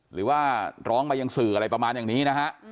หรือว่าร้องมายังสื่ออะไรประมาณอย่างนี้นะฮะ